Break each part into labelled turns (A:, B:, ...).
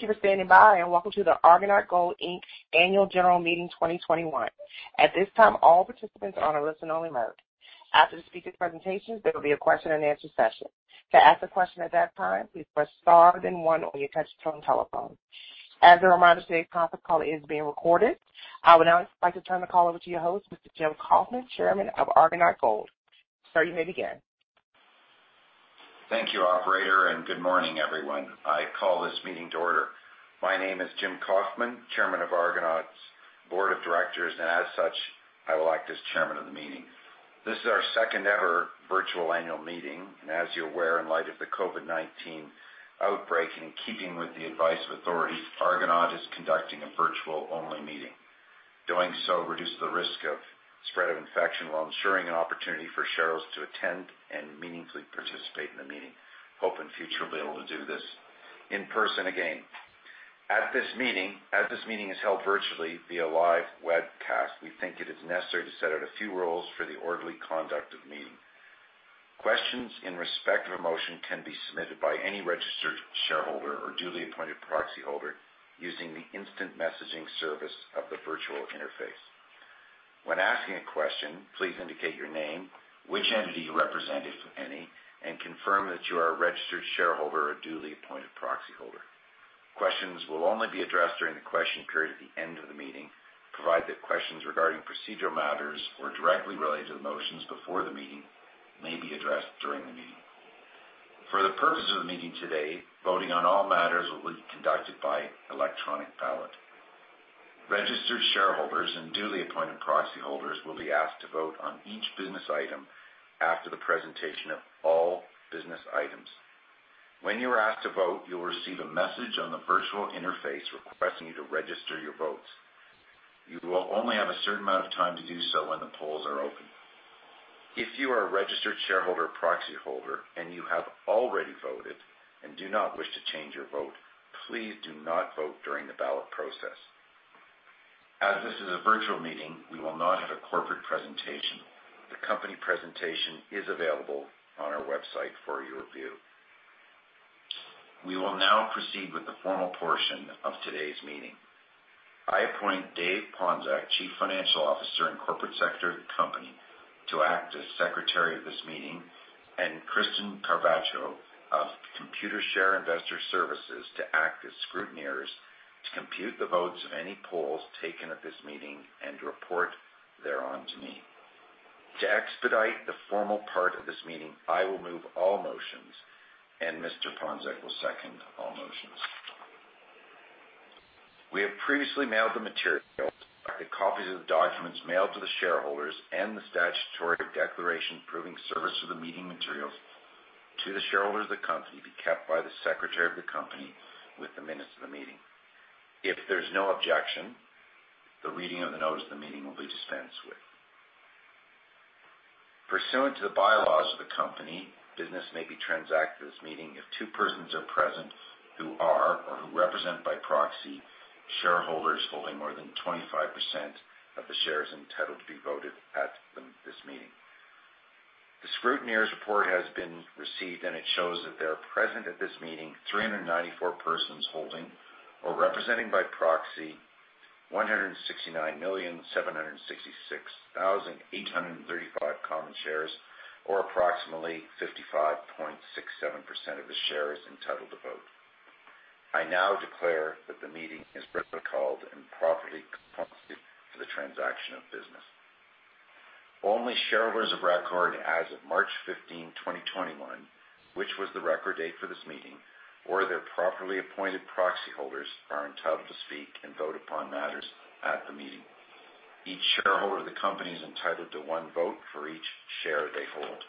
A: I would now like to turn the call over to your host, Mr. Jim E. Kofman, Chairman of Argonaut Gold. Sir, you may begin.
B: Thank you, operator. Good morning, everyone. I call this meeting to order. My name is Jim E. Kofman, Chairman of Argonaut's Board of Directors. As such, I will act as Chairman of the meeting. This is our second-ever virtual annual meeting. As you're aware, in light of the COVID-19 outbreak, in keeping with the advice of authorities, Argonaut is conducting a virtual-only meeting. Doing so reduces the risk of spread of infection while ensuring an opportunity for shareholders to attend and meaningfully participate in the meeting. We hope in future we'll be able to do this in person again. As this meeting is held virtually via live webcast, we think it is necessary to set out a few rules for the orderly conduct of the meeting. Questions in respect of a motion can be submitted by any registered shareholder or duly appointed proxy holder using the instant messaging service of the virtual interface. When asking a question, please indicate your name, which entity you represent, if any, and confirm that you are a registered shareholder or duly appointed proxy holder. Questions will only be addressed during the question period at the end of the meeting, provided that questions regarding procedural matters or directly related to the motions before the meeting may be addressed during the meeting. For the purpose of the meeting today, voting on all matters will be conducted by electronic ballot. Registered shareholders and duly appointed proxy holders will be asked to vote on each business item after the presentation of all business items. When you are asked to vote, you will receive a message on the virtual interface requesting you to register your votes. You will only have a certain amount of time to do so when the polls are open. If you are a registered shareholder proxy holder and you have already voted and do not wish to change your vote, please do not vote during the ballot process. As this is a virtual meeting, we will not have a corporate presentation. The company presentation is available on our website for your review. We will now proceed with the formal portion of today's meeting. I appoint David Ponczoch, Chief Financial Officer and Corporate Secretary of the company, to act as Secretary of this meeting, and Christian Carvacho of Computershare Investor Services to act as scrutineers to compute the votes of any polls taken at this meeting and report thereon to me. To expedite the formal part of this meeting, I will move all motions, and Mr. Ponczoch will second all motions. We have previously mailed the materials. The copies of the documents mailed to the shareholders and the statutory declaration proving service of the meeting materials to the shareholders of the company be kept by the Secretary of the company with the minutes of the meeting. If there's no objection, the reading of the notice of the meeting will be dispensed with. Pursuant to the bylaws of the company, business may be transacted at this meeting if two persons are present who are, or who represent by proxy, shareholders holding more than 25% of the shares entitled to be voted at this meeting. The scrutineers' report has been received. It shows that there are present at this meeting 394 persons holding or representing by proxy 169,766,835 common shares, or approximately 55.67% of the shares entitled to vote. I now declare that the meeting is properly called and properly constituted for the transaction of business. Only shareholders of record as of March 15, 2021, which was the record date for this meeting, or their properly appointed proxy holders are entitled to speak and vote upon matters at the meeting. Each shareholder of the company is entitled to one vote for each share they hold.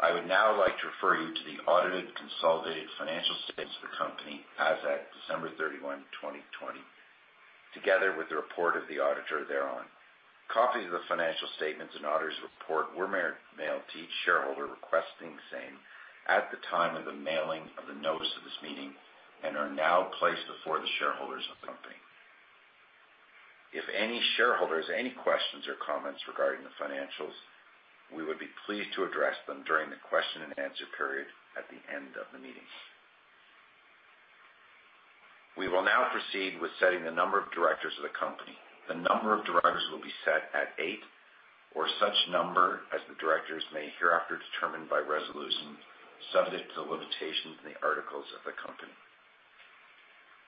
B: I would now like to refer you to the audited consolidated financial statements of the company as at December 31, 2020, together with the report of the auditor thereon. Copies of the financial statements and auditor's report were mailed to each shareholder requesting same at the time of the mailing of the notice of this meeting and are now placed before the shareholders of the company. If any shareholder has any questions or comments regarding the financials, we would be pleased to address them during the question and answer period at the end of the meeting. We will now proceed with setting the number of directors of the company. The number of directors will be set at eight or such number as the directors may hereafter determine by resolution, subject to the limitations in the articles of the company.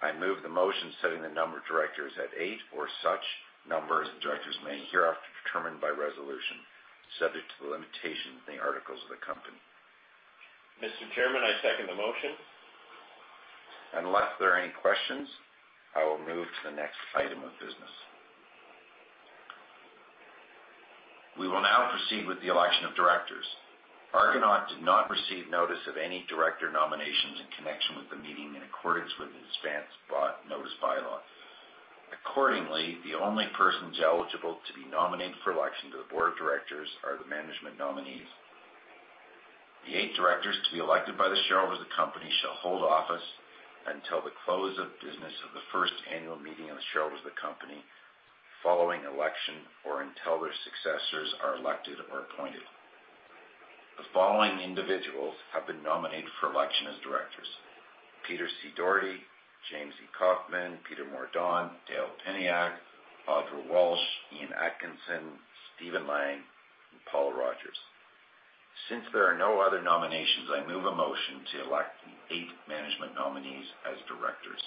B: I move the motion setting the number of directors at eight or such numbers the directors may hereafter determine by resolution, subject to the limitations in the articles of the company.
C: Mr. Chairman, I second the motion.
B: Unless there are any questions, I will move to the next item of business. We will now proceed with the election of directors. Argonaut did not receive notice of any director nominations in connection with the meeting in accordance with its advance notice bylaw. Accordingly, the only persons eligible to be nominated for election to the board of directors are the management nominees. The eight directors to be elected by the shareholders of the company shall hold office until the close of business of the first annual meeting of the shareholders of the company following election or until their successors are elected or appointed. The following individuals have been nominated for election as directors. Peter C. Dougherty, James E. Kofman, Peter Mordaunt, Dale Peniuk, Audra Walsh, Ian Atkinson, Stephen Lang, and Paula Rogers. Since there are no other nominations, I move a motion to elect the eight management nominees as directors.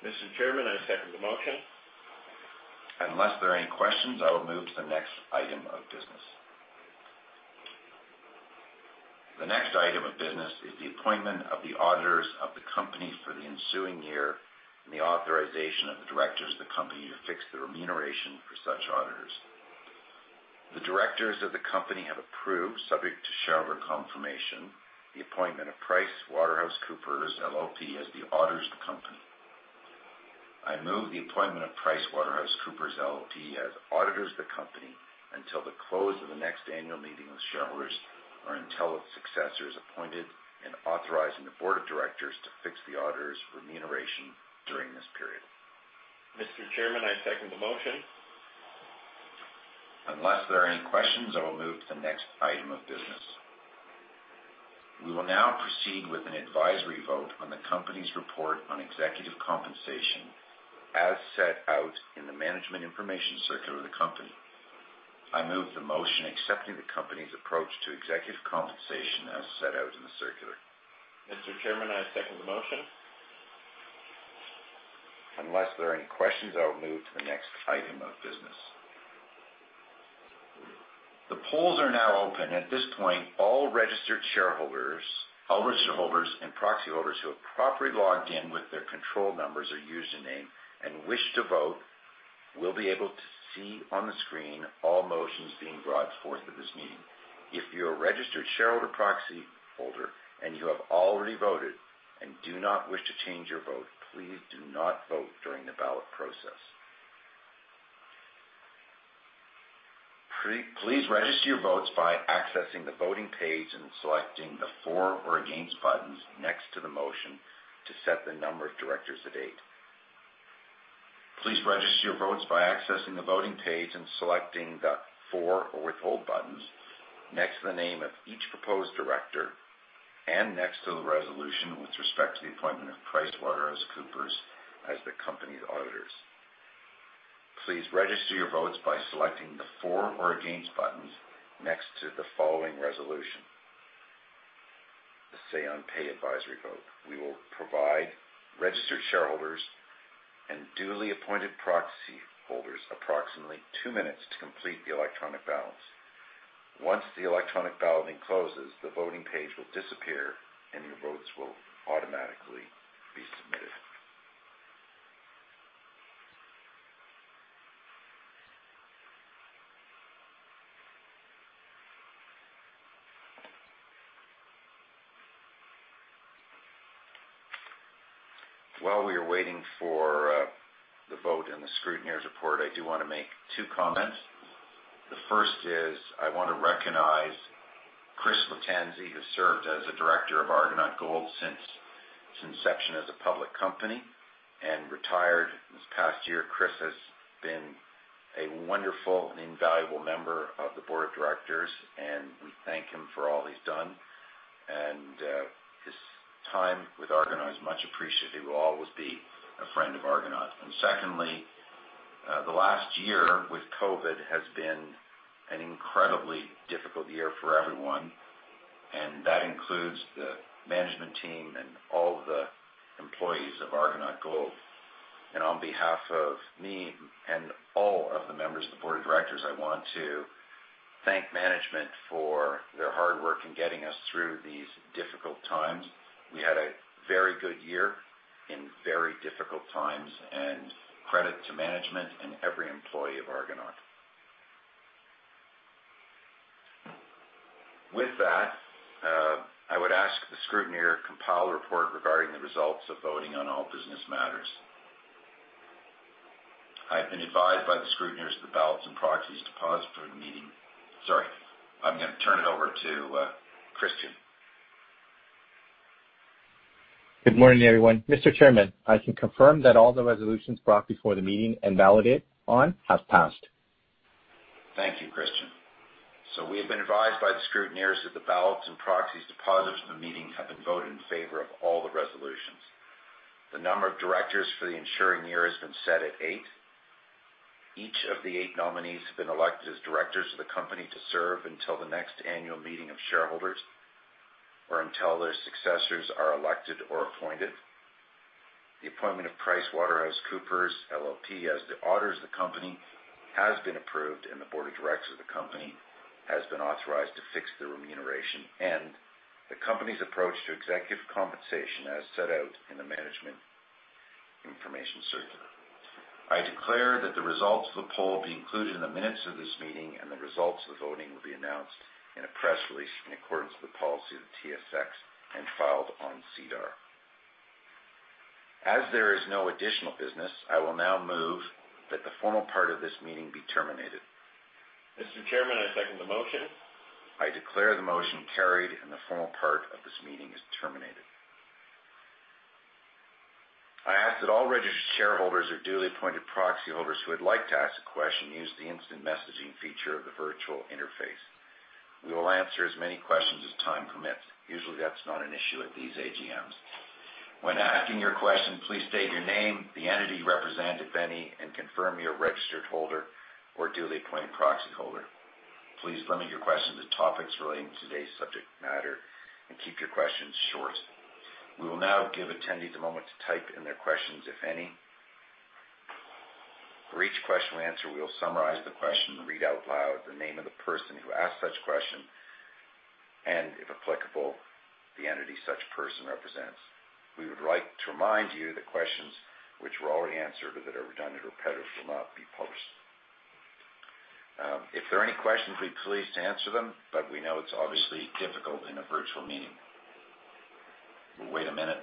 C: Mr. Chairman, I second the motion.
B: Unless there are any questions, I will move to the next item of business. The next item of business is the appointment of the auditors of the company for the ensuing year and the authorization of the directors of the company to fix the remuneration for such auditors. The directors of the company have approved, subject to shareholder confirmation, the appointment of PricewaterhouseCoopers LLP as the auditors of the company. I move the appointment of PricewaterhouseCoopers LLP as auditors of the company until the close of the next annual meeting of shareholders or until its successors appointed and authorizing the board of directors to fix the auditors' remuneration during this period.
C: Mr. Chairman, I second the motion.
B: Unless there are any questions, I will move to the next item of business. We will now proceed with an advisory vote on the company's report on executive compensation as set out in the management information circular of the company. I move the motion accepting the company's approach to executive compensation as set out in the circular.
C: Mr. Chairman, I second the motion.
B: Unless there are any questions, I will move to the next item of business. The polls are now open. At this point, all registered shareholders and proxy holders who have properly logged in with their control numbers or username and wish to vote will be able to see on the screen all motions being brought forth at this meeting. If you're a registered shareholder proxy holder and you have already voted and do not wish to change your vote, please do not vote during the ballot process. Please register your votes by accessing the voting page and selecting the for or against buttons next to the motion to set the number of directors to date. Please register your votes by accessing the voting page and selecting the for or withhold buttons next to the name of each proposed director and next to the resolution with respect to the appointment of PricewaterhouseCoopers as the company's auditors. Please register your votes by selecting the for or against buttons next to the following resolution. The say on pay advisory vote. We will provide registered shareholders and duly appointed proxy holders approximately two minutes to complete the electronic ballots. Once the electronic balloting closes, the voting page will disappear, and your votes will automatically be submitted. While we are waiting for the vote and the scrutineer's report, I do want to make two comments. The first is I want to recognize Chris Lattanzi, who served as a director of Argonaut Gold since its inception as a public company and retired this past year. Chris has been a wonderful and invaluable member of the board of directors, and we thank him for all he's done. His time with Argonaut is much appreciated. He will always be a friend of Argonaut. Secondly, the last year with COVID has been an incredibly difficult year for everyone, and that includes the management team and all of the employees of Argonaut Gold. On behalf of me and all of the members of the board of directors, I want to thank management for their hard work in getting us through these difficult times. We had a very good year in very difficult times, and credit to management and every employee of Argonaut. With that, I would ask the scrutineer to compile a report regarding the results of voting on all business matters. I've been advised by the scrutineers of the ballots and proxies deposited for the meeting. Sorry. I'm going to turn it over to Christian.
D: Good morning, everyone. Mr. Chairman, I can confirm that all the resolutions brought before the meeting and balloted on have passed.
B: Thank you, Christian. We have been advised by the scrutineers that the ballots and proxies deposited from the meeting have been voted in favor of all the resolutions. The number of directors for the ensuing year has been set at eight. Each of the eight nominees have been elected as directors of the company to serve until the next annual meeting of shareholders or until their successors are elected or appointed. The appointment of PricewaterhouseCoopers LLP as the auditors of the company has been approved, and the board of directors of the company has been authorized to fix the remuneration and the company's approach to executive compensation as set out in the management information circular. I declare that the results of the poll be included in the minutes of this meeting, and the results of the voting will be announced in a press release in accordance with the policy of the TSX and filed on SEDAR. As there is no additional business, I will now move that the formal part of this meeting be terminated.
C: Mr. Chairman, I second the motion.
B: I declare the motion carried and the formal part of this meeting is terminated. I ask that all registered shareholders or duly appointed proxy holders who would like to ask a question use the instant messaging feature of the virtual interface. We will answer as many questions as time permits. Usually, that's not an issue at these AGMs. When asking your question, please state your name, the entity you represent, if any, and confirm you're a registered holder or duly appointed proxy holder. Please limit your question to topics relating to today's subject matter and keep your questions short. We will now give attendees a moment to type in their questions, if any. For each question we answer, we will summarize the question and read out loud the name of the person who asked such question, and if applicable, the entity such person represents. We would like to remind you that questions which were already answered or that are redundant or repetitive will not be posted. If there are any questions, we're pleased to answer them, but we know it's obviously difficult in a virtual meeting. We'll wait one minute.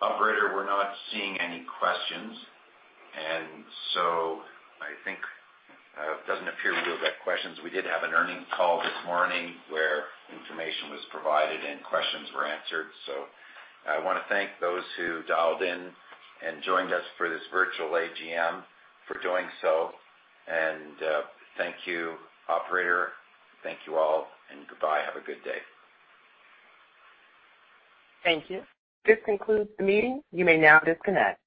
B: Operator, we're not seeing any questions, and so I think it doesn't appear we will get questions. We did have an earning call this morning where information was provided and questions were answered. I want to thank those who dialed in and joined us for this virtual AGM for doing so. Thank you, operator. Thank you all, and goodbye. Have a good day.
A: Thank you. This concludes the meeting. You may now disconnect.